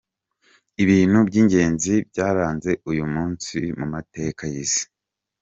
Ibintu by’ingenzi byaranze uyu munsi mu ateka y’isi:.